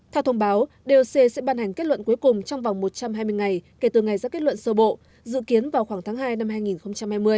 theo thông báo doc sẽ ban hành kết luận cuối cùng trong vòng một trăm hai mươi ngày kể từ ngày ra kết luận sơ bộ dự kiến vào khoảng tháng hai năm hai nghìn hai mươi